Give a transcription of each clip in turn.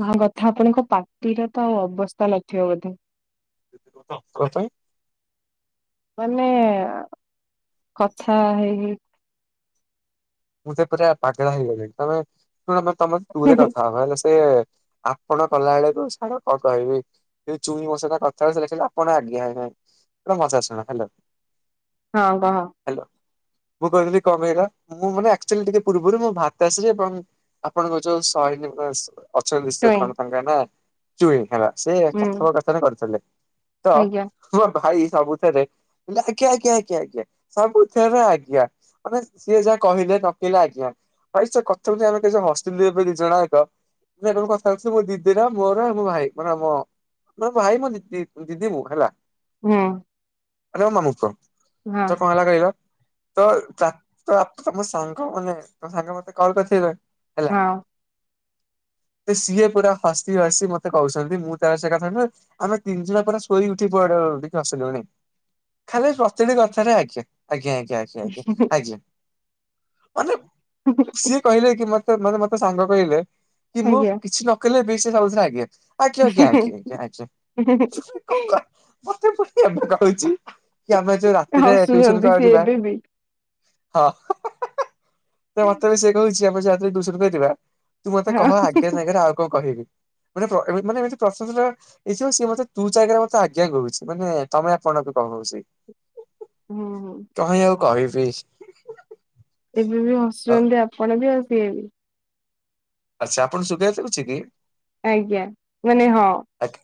ବାହା କଥା ଆପଣଙ୍କ ପାଟିର ତ ଆ ଅବସ୍ଥା ନଥିବ ବୋଧେ? ପ୍ରକୃତି ମାନେ କଥା ହେଇ ହେଇ ମୁଁ ତ ପୁରା ପାଗଳା ହେଇଗଲିଣି ତମେ ଶୁଣ ତମେ ତୁରେ କଥା ହବ ହେଲେ ସେ ଆପଣ କଲା ବେଳକୁ ଛାଡ଼ କଣ କହିବି ଏଇ ଚୁଇଁ ମୋ ସହିତ କଥା ହୋଉଚି ସେଟା ଖାଲି ଆପଣ ଆଜ୍ଞା ହଁ। ଗୋଟେ କଥା ସୁଣ ହାଲୋ। ହଁ କହ। ହାଲୋ ମୁଁ କହିଥିଲି କଣ କହିଲ? ମୁଁ ମାନେ ଆଚୁଆଲି ଟିକେ ପୂର୍ବରୁ ମୁଁ ଭାତା ଶ୍ରୀ ଏବଂ ଆପଣଙ୍କ ଯୋଉ ସୟନୀ [unintelligible] ଅଛନ୍ତି ସିଏ ଟୁଇଁ କଣ ତାଙ୍କ ନା ଚୁଇଁ ହେଲା ସେ ହୁଁ କଥପକଥନ କରୁଥିଲେ। ତ ଆଜ୍ଞା ମୋ ଭାଇ ସବୁଥିରେ ଆଜ୍ଞା ଆଜ୍ଞା ଆଜ୍ଞା ଆଜ୍ଞା ସବୁଥିରେ ଆଜ୍ଞା ମାନେ ସିଏ ଯା କହିଲେ ନକେଇଲା ଆଜ୍ଞା ଭାଇ ସେ କଥାକୁ ନେଇ ଆମେ କେତେଯୋର୍ ହସିଲୁ ଦିଜଣ ଆଙ୍କ। ସେଆଡେ ମୁଁ କଥା ହେଉଥିଲୁ ମୋ ଦିଦିର ମୋର ଆଉ ମୋ ଭାଇ ମାନେ ଆମ ମୋ ଭାଇ ମୋ ଦିି ଦିଦି ମୁଁ ହେଲା। ହୁଁ। ମାନେ ମୋ ମାମୁଁ ପୁଅ ହଁ ତ କଣ ହେଲା କହିଲ ତ ତା ତ ତ ମୋ ସାଙ୍ଗ ମାନେ ତମ ସାଙ୍ଗ ମତେ କଲ୍ କରିଥିଲେ ହେଲା ହଁ। ସିଏ ପୁରା ହସି ହସି ମତେ କହୁଚନ୍ତି ମୁଁ ତାର ସେ କଥା ନୁହେଁ ଆମେ ତିନି ଜଣ ପୁରା ଶୋଇ ଉଠି ପୁରା [unintelligible] ଖାଲି ପ୍ରତିଟି କଥାରେ ଆଜ୍ଞା ଆଜ୍ଞା ଆଜ୍ଞା। ଆଜ୍ଞା ଆଜ୍ଞା ଆଜ୍ଞ ଆଜ୍ଞା। ମାନେ ସିଏ କହିଲେ କି ମତେ ମାନେ ମତେ ସାଙ୍ଗ କହିଲେ କି ମୁଁ ଆଜ୍ଞା। କିଛି ନ କଲେ ବି ସେ ସବୁଥିରେ ଆଜ୍ଞା ଆଜ୍ଞା ଆଜ୍ଞା ଆଜ୍ଞା ଆଜ୍ଞା ଆଜ୍ଞା [unintelligible] କହୁଚି ଆମେ ଯୋଉ ରାତିରେ ଟିୟୁସନ ହସୁଛନ୍ତି ସିଏ କରିବା ଏବେ ବି। ହଁ। ତ ମତେ ଏବେ ସେ କହୁଚି ଆମ ଯାହାରେ ଟିୟୁସନ ପାଇଁ ଯିବା ତୁ ମତେ ହଁ କହ ଆଜ୍ଞା ଜାଗାରେ ଆଉ କଣ କହିବି? ମାନେ ପ୍ର ଏବେ ମାନେ ଏମିତି ପ୍ରଶଶା ଟା ଏଇଯଉ ସିଏ ମୋତେ ତୁ ଚାଗାରେ ମତେ ଆଜ୍ଞା କହୁଚି ମାନେ ତମେ ଆପଣ କହୁଚି ହୁଁ ହୁଁ କହି ଆଉ କହିବି। ଏବେ ବି ଆଉ ହସୁଚନ୍ତି ଆପଣ ବି ଆଉ ସିଏ ବି। ଆଚ୍ଛା ଆପଣ ଙ୍କୁ ସୁଧା ଯାଉଚି କି? ଆଜ୍ଞା ମାନେ ହଁ। ଆଜ୍ଞା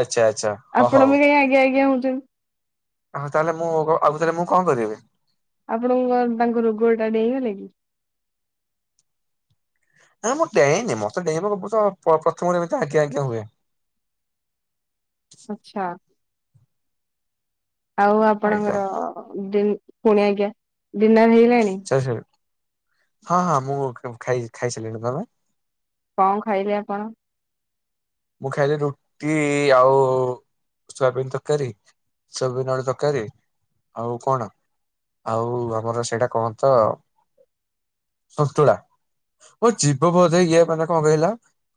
ଆଚ୍ଛା ଆଚ୍ଛା ହ ଆପଣ ହଉ। ବି କାଇଁ ଆଜ୍ଞା ଆଜ୍ଞା ହଉଛନ୍ତି। ଆଉ ତାହେଲେ ମୁଁ ଆଉ ତାହେଲେ ମୁଁ କଣ କରିବି? ଆପଣଙ୍କ ତାଙ୍କ ରୋଗଏଟା ଡେଇଁଗଲା କି? ନା ମୁଁ ଡେଇଁନି ମତେ ଡେଇଁବା କୁ ମୁଁ ତ ପ୍ରଥମରୁ ଏମିତି ଆଜ୍ଞା ଆଜ୍ଞା ହୁଏ। ଆଛା। ଆଉ ଆଜ୍ଞା। ଆପଣଙ୍କର ଦିନ୍ ପୁଣି ଆଜ୍ଞା ଡିନର ହେଇଗଲାଣି? ହଁ ହଁ ମୁଁ ଖାଇ-ଖାଇସାରିଲିଣି ତମେ? କଣ ଖାଇଲେ ଆପଣ? ମୁଁ ଖାଇଲି ରୁଟି ଆଉ ସୋୟାବିନ୍ ତରକାରୀ ସୋୟାବିନ୍ ଆଳୁ ତରକାରୀ ଆଉ କଣ? ଆଉ ଆମର ସେଇଟା କଣ ତ ସନ୍ତୁଳା। ଓ ଯିବ ବୋଧ ଇଏ ମାନେ କଣ କହିଲ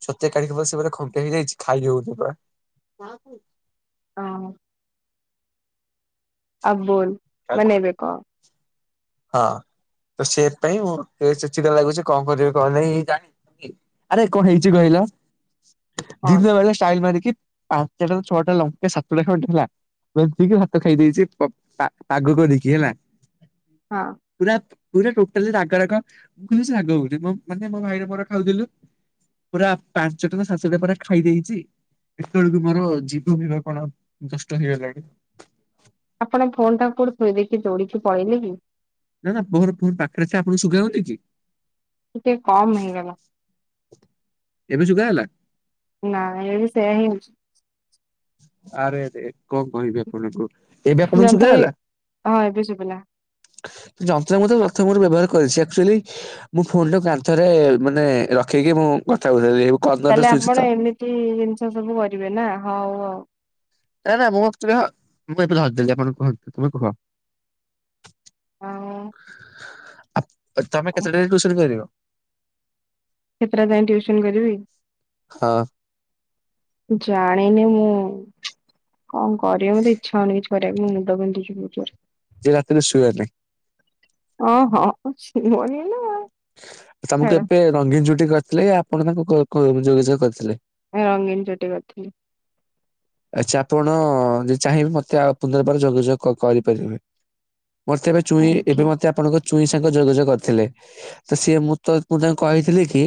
ଛତିଆ କାଳୀ ଙ୍କ ପାଖେ ସିଏ ବଧେ ଖ ହେଇ ଯାଇଚି ଖାଇହଉନି ପା। ହଁ। ଅବ୍ ବୋଲ୍ ମାନେ ଏବେ କଅ? ହଁ। ତ ସେଇଥିପାଇଁ ମୁଁ ଟିକେ ଚିଡ ଚିଡା ଲାଗୁଛି କଣ କରିବି କଣ ନାହିଁ [unintelligible] ଆରେ କଣ ହେଇଚି କହିଲ? କଣ ଦିନ ବେଳା ଷ୍ଟାଇଲ ମାରିକି ପାଞ୍ଚଟାରୁ ଛଅଟା ଲଙ୍କା ସାତୁଟା ଖଣ୍ଡେ ହେଲା। ଚକଟିକି ଭାତ ଖାଇ ଦେଇଚି ପା-ପାଗ କରକି ହେଲା ହଁ ପୁରା ପୁରା ତୋଟାଲୀ ରାଗ ରାଗ [unintelligible] ମୁଁ ମାନେ ମୋ ଭାଇରେ ମୋର ଖାଉଥୁଲୁ। ପୁରା ପାଞ୍ଚ ଟଙ୍କା ସାତଟା ପା ପୁରା ଖାଇଦେଇଚି। କେତେବେଳକୁ ମୋର ଜୀବ ଫିବ କଣ ନଷ୍ଟ ହେଇଗଲାଣି? ଆପଣ ଫୋନ୍ ଟା କୋଉଠି ଥୋଇ ଦେଇକି ଦୌଡିକି ପଳେଇଲେେ କି? ନା ନା ମୋର ଫୋନ୍ ପାଖରେ ଅଛି ଆପଣଙ୍କୁ ଶୁଭା ଯାଉନି କି? ଟିକେ କମ ହେଇଗଲା। ଏବେ ଶୁବା ଗଲା? ନାଇ ଏବେ ସେୟା ହିଁ ହଉଚି। ଆରେରେ କଣ କହିବି ଆପଣଙ୍କୁ? ଏବେ ଆପଣଙ୍କୁ ଯନ୍ତ୍ର ଶୁଗାଗଲା? ହଁ ଏବେ ଶୁଭିଲା ଯନ୍ତ୍ର ମଧ୍ୟ ପ୍ରଥମରୁ ବ୍ୟବହାର କରିଛି ଆକ୍ଚୁଆଲି ମୁଁ ଫୋନ ଟାକୁ କାନ୍ଥରେ ମାନେ ରଖି କି ମୁଁ କଥା [unintelligible] ତାହେଲେ ଶୋଇଛି ତ ଆପଣ ଏମିତି ଜିନିଷ ସବୁ କରିବେ ନା ହଉ ହଉ। ନା ନା ମୁଁ [unintelligible] ମୁଁ ଏବେ ଧରିଦେଲି। ଆପଣ କୁହନ୍ତୁ ତୁମେ କୁହ? ଆଉ ଆ-ତମେ କେତେଟା ଯାଏ ଟିଉସନ୍ କରିବ? କେତେଟା ଯାଏ ଟିଉସନ୍ କରିବି? ହଁ ଜାଣିନି ମୁଁ? କଣ କରିବି? ମୋତେ ଇଚ୍ଛା ହଉନି କିଛି କରିବାକୁ। ମୋ ମୁଣ୍ଡ ପିନ୍ଧୁଛି ବହୁତ ଜୋରେ। ଆଜି ରାତିରେ ସୁଅନି। ହଁ ହଁ ଛେଳି ମରିଗଲା। ତମକୁ ଏବେ ରଙ୍ଗୀନ ଚୁଟି କରିଥିଲେ ୟା ଆପଣ ତାଙ୍କୁ କ-କ-ଯୋଗାଯୋଗ କରିଥିଲେ? ରଙ୍ଗୀନ ଚୁଟି କରିଥିଲି। ଆଛା ଆପଣ ଯଦି ଚାହିଁବେ ମତେ ଆଉ ପୁନର୍ବାର ଯୋଗାଯୋଗ କ-କରିପାରିବେ। ମୋତେ ଏବେ ଚୁଇଁ ଏବେ ଆଜ୍ଞା ମତେ ଆପଣଙ୍କ ଚୁଇଁ ସାଙ୍ଗ ଯୋଗାଯୋଗ କରିଥିଲେ। ତ ସିଏ ମୁଁ -ତ- ମୁଁ ତାଙ୍କୁ କହିଥିଲି କି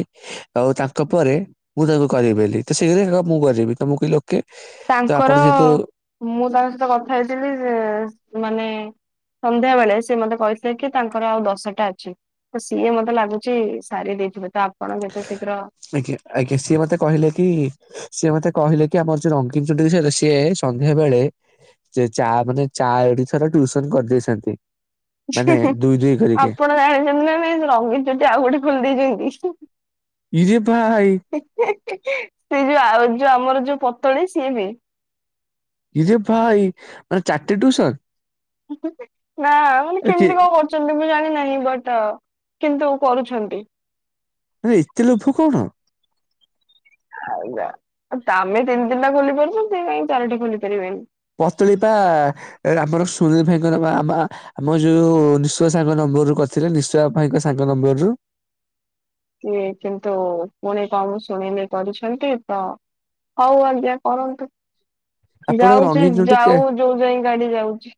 ଆଉ ତାଙ୍କ ପରେ ମୁଁ ତମକୁ କରିବି ବୋଲିି ତ ସେ [unintelligible] ମୁଁ କରିବି ତମକୁ ଲୋକେ ତାଙ୍କର ମୁଁ ତାଙ୍କ ସହିତ କଥା ହେଇଥିଲି ଯେ ମାନେ ସନ୍ଧ୍ୟା ବେଳେ ସିଏ ମତେ କହିଥିଲେ କି, ତାଙ୍କର ଆଉ ଦଶଟା ଅଛି। ତ ସିଏ, ମତେ ଲାଗୁଛି ଦେଇ ଦେଇଥିବେ। ତ ଆପଣ ଯେତେ ଶୀଘ୍ର ଆଜ୍ଞା-ଆଜ୍ଞା, ସିଏ ମତେ କହିଲେ କି, ସିଏ ମତେ କହିଲେ କି ଆମର ଯୋଉ ରଙ୍ଗୀନ ଚଢେଇ ସିଏ ସନ୍ଧ୍ୟା ବେଳେ ସେ ଚା ମାନେ ଚା ଏଠି ଥର ଟ୍ୟୁସନ କରିଦେଇଛନ୍ତି। ମାନେ ଦୁଇ ଦୁଇ କରିକି। ଆପଣ ଜାଣିଛନ୍ତି ନା, ନାଇ ରଙ୍ଗୀନ ଚୁଟି ଆଉ ଗୋଟେ ଖୋଲି ଦେଇଛନ୍ତି। ଇରେ ଭାଇ। ସେ, ଯୋଉ- ଆଉ ଯୋଉ ଆମର ଯୋଉ ପତଳି, ସିଏ ବି ଇରେ ଭା-ଇ ମାନେ ଚାରଟେ ଟ୍ୟୁସନ୍। ନା, ମାନେ, କେମିତି କଣ କରୁଛନ୍ତି, ମୁଁ ଜାଣିନାହିଁ, ବଟ କିନ୍ତୁ କରୁଛନ୍ତି। ଆରେ ଏତେ ଲୋଭ କଣ? ଆଜ୍ଞା- ତମେ ତିନି ତିନି ଟା ଖୋଲି ପାରୁଛ, ସେ କାହିଁ ଚାରିଟା ଖୋଲି ପାରିବେନି? ପତୁଳି ପା -ଆମର ସୁନୀଲ ଭାଇଙ୍କ ନ -ବା -ଆ - ଆ-ଆମ ଯୋଉ ନିଃଶ୍ବ ସାର ନ ମୁରୁ କରିଥିଲେ ନିଶ୍ଵା ଭାଇଙ୍କ ସାଙ୍ଗ ନମ୍ବର ରୁ। କିଏ, କିନ୍ତୁ, ପୁଣି, କଣ ଶୁଣି ନେ କରିଛନ୍ତି ତ ହଉ, ଆଜ୍ଞା କରନ୍ତୁ। ଆପଣଙ୍କ ଯାଉଛି, ରଙ୍ଗୀନ ଚୁଟି କେ ଯାଉ, ଯୋଉ ଯାଏ ଗାଡି ଯାଉଛି।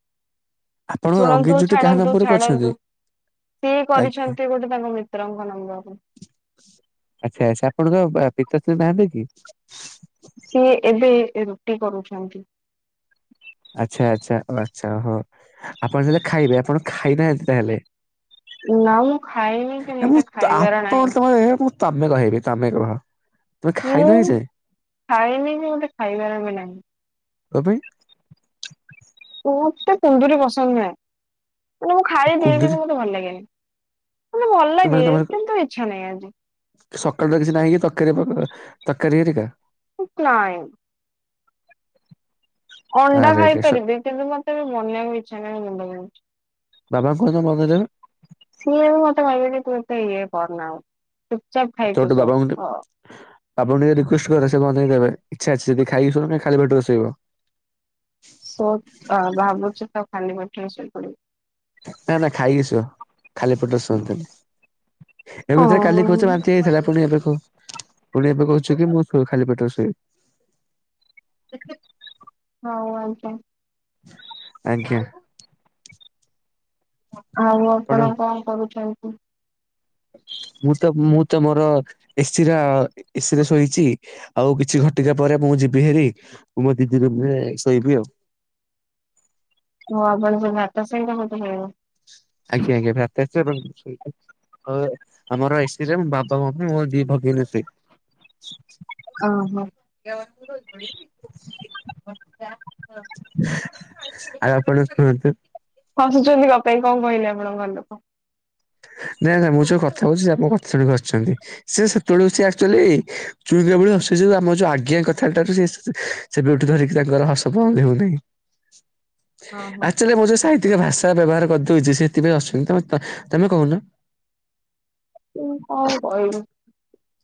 ଆପଣଙ୍କ ରଙ୍ଗୀନ ଶୁଣନ୍ତୁ, ଚୁଟି କାହା ଛାଡ଼ନ୍ତୁ, ନମ୍ବରକୁ ଅଛନ୍ତି? ଛାଡ଼ନ୍ତୁ। ସିଏ ଆଜ୍ଞା କରିଛନ୍ତି, ଗୋଟେ ତାଙ୍କ ମିତ୍ରଙ୍କ ନମ୍ବରକୁ। ଆଚ୍ଛା-ଆଚ୍ଛା ଆପଣଙ୍କ ପିତାଶ୍ରୀ ନାହାନ୍ତି କି? ସିଏ ଏବେ ରୁଟି କରୁଛନ୍ତି। ଆଚ୍ଛା-ଆଚ୍ଛା-ଆଚ୍ଛା ଓହୋ ଆପଣ ତାହେଲେ ଖାଇବେ? ଆପଣ ଖାଇନାହାନ୍ତି ତାହେଲେ? ନା, ମୁଁ ଖାଇବିନି। ଏ ମୁଁ ଏବେ ଖାଇବାର ଆପଣ ନାହିଁ। ତମେ ମୁଁ ତମେ କହିବି, ତମେ କୁହ। ତମେ ମୁଁ ଖାଇନ ଏଯାଏଁ ଖାଇନି, କି ମୋତେ ଖାଇବାର ବି ନାହିଁ। କଣ ପାଇଁ? ମୋତେ କୁନ୍ଦୁରି ପସନ୍ଦ ନୁହେଁ। ମୁଁ ଖାଇପିଇକି ବି ମୋତେ ଭଲ ଲାଗେନି। ମତେ ଭଲ ଲାଗେ ତମର-ତମର କିନ୍ତୁ ଇଚ୍ଛା ନାହିଁ ଆଜି ସକାଳୁ ର କିଛି ନାହିଁ କି ତରକାରୀ ତକାରି ହେରିକା। ନାଇଁ। ଅଣ୍ଡା ଆରେରେ ସ ଖାଇପାରିବି କିନ୍ତୁ ମତେ ଏବେ ବନିବାକୁ ଇଚ୍ଛା ନାହିଁ ମୁଣ୍ଡବିନ୍ଧୁଛି। ବାବା କୁହନ୍ତୁ ବନେଇଦେବେ। ସିଏ ମତେ କହିବେ ଯେ ତୁ ଏତେ ଇଏ କରନାଉ ଚୁପଚାପ ଖାଇକି ସୋ ହିଁ। ଆପଣ ଟିକେ ରିକ୍ୱେଷ୍ଟ କରେ ସେ ବନେଇଦେବେ ଇଚ୍ଛା ଅଛି ଯଦି ଖାଇକି ସୋଇବାନା ଖାଲି ପେଟରେ ଶୋଇବା। ସଟା ଭାବୁଛି ତା ଖାଲି ପେଟରେ ଶୋଇପଡ଼ିବି। ନା-ନା ଖାଇକି ଶୁଅ ଖାଲି ପେଟରେ ଶୁଅନ୍ତିନି। ଏବେ ଭିତରେ କାଲି କହୁଛ ହଁ। ବାନ୍ତି ହୋଇଥିଲା ପୁଣି ଏବେ ପୁଣି ଏବେ କହୁଛ କି ମୁଁ ଶୁ ଖାଲି ପେଟରେ ଶୋଇବି। ହିଁ ଆଉ କଣ? ଆଜ୍ଞା ଆଉ ଆପଣ କଣ କରୁଛନ୍ତି? ମୁଁ-ତ-ମୁଁ-ତ ମୋର ଏ ସିର ଏ ସିରେ ଶୋଇଛି। ଆଉ କିଛି ଘଟିକା ପରେ ମୁଁ ଯିବି ହେରି ମୋ ଦିଦି ରୁମରେ ଶୋଇବି ଆଉ। [unintelligible] ହଁ ଆପଣ ଯୋଉ ଭାତ ସହାତ ମୋତେ ଖାଇବ। ଆଜ୍ଞା-ଆଜ୍ଞା ଭାର୍ତାଶ୍ରୀ ହ ଆମର ଏକ୍ପ୍ରିଏନ୍ସ ବାବା ମମୀ ମୋ ଦି ଭଗିଣି ସେ ଓ ହୋ। [unintelligible] ଆଉ ଆପଣ ଶୁଣନ୍ତୁ। କାହୁଛନ୍ତି [unintelligible] କଣ କହିଲେ ଆପଣଙ୍କ ଘର ଲୋକ? [inaudible] ନାଇଁ ନାଇଁ ମୁଁ ଯୋଉଁ କଥା ହଉଛି ଆପଣ କଥା ଶୁଣିପାରୁଛନ୍ତି ସି ସେତେବେଳୁ ସେ ଆକଚୁଆଲି। [inaudible] ଉ ଆମ ଯୋଉଁ ଆଜ୍ଞା କଥାଟାରୁ ସେ ସେବେଠୁ ଧରିକି ତାଙ୍କର ହସ ବନ୍ଦ ହଉନାହିଁ। ହଁ ହଁ ଆକଚୁଆଲି ମୁଁ ଯୋଉଁ ସାହିତ୍ୟିକ ଭାଷା ବ୍ୟବହାର କରିଦଉଛି ସେଥିପାଇଁ ହସୁଛନ୍ତି ତ ତମେ କହୁନ? ମୁଁ କଣ କହିବି?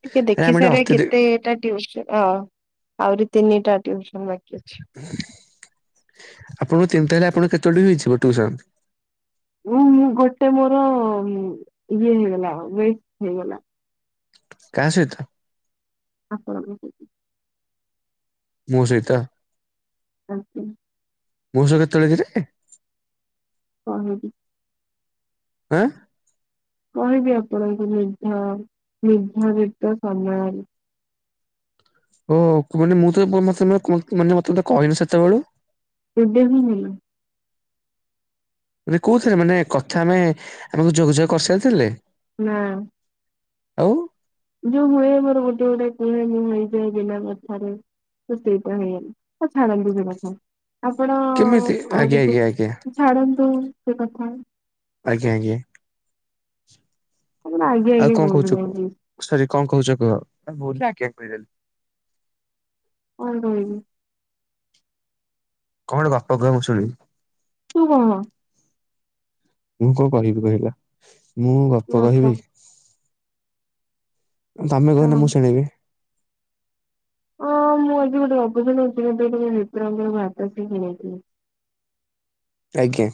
ଟିକେ ଆରେ ଦେଖି ଆମେ ଟିକେ ସାରେ ଅତ୍ୟଧିକ କେତେଟା ଟିଉସନ ହଁ ଆହୁରି ତିନିଟା ଟିଉସନ ବାକି କି ଅଛି। ଆପଣଙ୍କୁ ତିନିଟାରେ ଆପଣ କେତେଳେବେଳଠୁ ଯିବ ଟିଉସନ୍? ଉ ମୁଁ ଗୋଟେ ମୋର ଇଏ ହେଇଗଲା ଲେଫ୍ଟ ହେଇଗଲା କା ସଇତ? ଆପଣଙ୍କୁ ମୋ ସହିତ। ଆଉ କଣ। [unintelligible] କିରେ କହିବି। ହଁ। କହିବି ଆପଣଙ୍କୁ ନିର୍ଧ ନିର୍ଧାରିତା ସମୟରେ। ଓ ମାନେ ମୁଁ [unintelligible] କହିଲି ସେତେବେଳେ। କେବେ ବି ନାଇଁ। ମାନେ କହୁଥିଲେ ମାନେ କଥା ହେବାପାଇଁ ଆମକୁ ଯୋଗାଯୋଗ କରିସାରିଥିଲେ? ନାଁ ଆଁ। ଯୋଉଁ ହୁଏ ମୋର ଗୋଟେ ଗୋଟେ କୁହେ ଯୋଉଁ ବିନା କଥାରେ। ତ ସେଇଟା ହେଇଗଲା ତ ଛାଡନ୍ତୁ ସେକଥା ଆପଣ କେମିତି ଆ ଆଜ୍ଞା ଆଜ୍ଞା ଆଜ୍ଞା ଛାଡନ୍ତୁ ସେ କଥା। ଆଜ୍ଞା ଆଜ୍ଞା। ଆପଣ ଆଜ୍ଞା ଆଉ ଆଜ୍ଞା କଣ କୁହନ୍ତୁ କହୁଛ କୁହ ଯାଇକି ସରି କଣ କହୁଛ କୁହ। [unintelligible] ହଁ ହଁ ହଁ କଣ ଗପ କହିବ ମୁଁ ଶୁଣିବି? କୁହ? ମୁଁ କଣ କହିବି କହିଲ? ମୁଁ ଗପ କହିବି। ତମେ କହୁନ ହଁ ମୁଁ ଶୁଣିବି। [unintelligible] ଆଜ୍ଞା।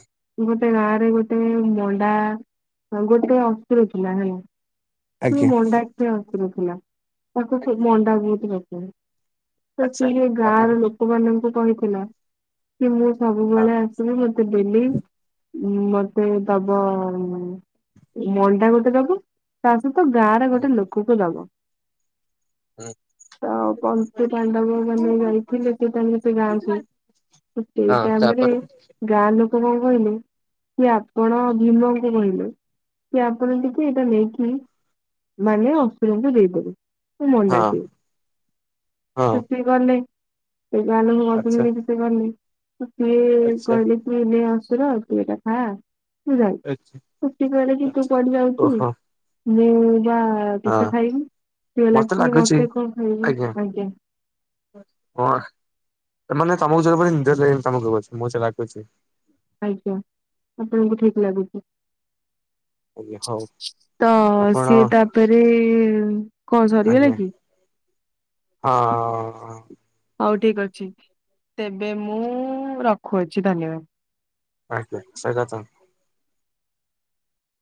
ଗୋଟେ ଗାଁ ରେ ଗୋଟେ ମଣ୍ଡା ଗୋଟେ ଅସୁର ଥିଲା ହେଲା। ଆଜ୍ଞା। ମଣ୍ଡା ଖିଆ ଅସୁର ଥିଲା ତାକୁ ଆଜ୍ଞା ମଣ୍ଡା ବହୁତ ପସନ୍ଦ ତ ଆଚ୍ଛା ସିଏ ଗାଁ ତାପରେ ର ଲୋକମାନଙ୍କୁ କହିଥିଲା କି ମୁଁ ହଁ ସବୁବେଳେ ଆସିବେ ମତେ ଡେଲି ଉ ମତେ ଦବ ମଣ୍ଡା ଗୋଟେ ଦବ ତ ଗାଁରେ ହୁଁ ଗୋଟେ ଲୋକକୁ ଦବ। ହୁଁ। ଆଁ ପଞ୍ଚୁ ପାଣ୍ଡବ ମାନେ ଯାଇଥିଲେ କି ତମ ସେଇ ଗାଁ କୁ? ସେଇ ହଁ ଟାଇମ ରେ ତାପରେ ଗାଁ ଲୋକ ମା କହିଲେ ସିଏ ଆପଣ ଭୀମଙ୍କୁ କହିଲେ ସିଏ ଆପଣ ଟିକେ ଏଇଟା ନେଇକି ଉଁ ମାନେ ଅସୁରଙ୍କୁ ଦେଇଦେବେ। ହଁ ହଁ [unintelligible] ଆଚ୍ଛା [unintelligible] ଆଚ୍ଛା [unintelligible] ତୁ ଆଚ୍ଛା କୁଆଡେ ଆଚ୍ଛା ଓହୋ ଯାଉଚୁ। [unintelligible] କହିଲା କେତେ ହଁ ଖାଇବୁ ସେ କହିଲା କି ମତେ କଣ ଖାଇବ ଆଜ୍ଞା। ହଁ ମାନେ ତମକୁ ଯୋଉ [unintelligible] ଆଜ୍ଞା ଆପଣଙ୍କୁ ଠିକ ଲାଗୁଛି। ଆଜ୍ଞା ହଉ ତ ଆପଣ ସିଏ ତାପରେ କଣ ସରିଗଲା ଆଜ୍ଞା କି? ହଉ ଠିକ ଅଛି ହଁ। ତେବେ ମୁଁ ରଖୁଚି ଧନ୍ୟବାଦ। ଆଜ୍ଞା ସ୍ୱାଗତମ୍।